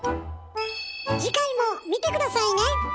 次回も見て下さいね！